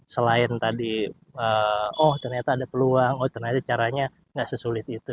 selain tadi oh ternyata ada peluang oh ternyata caranya nggak sesulit itu